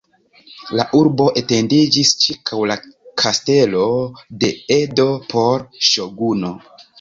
La urbo etendiĝis ĉirkaŭ la kastelo de Edo por ŝoguno.